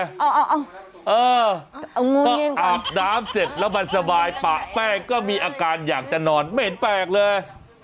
เออก็อาบน้ำเสร็จแล้วมันสบายปะแป้งก็มีอาการอยากจะนอนไม่เห็นแปลกเลย